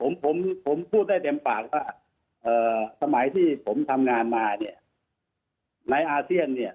ผมผมพูดได้เต็มปากว่าสมัยที่ผมทำงานมาเนี่ยในอาเซียนเนี่ย